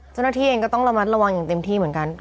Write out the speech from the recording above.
เจ้าหน้าที่เองก็ต้องระมัดระวังอย่างเต็มที่เหมือนกัน